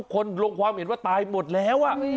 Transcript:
คนลงความเห็นว่าตายหมดแล้ว